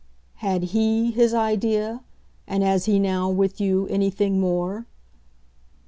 "Had HE his idea, and has he now, with you, anything more?"